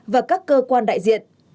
và các cơ quan đại diện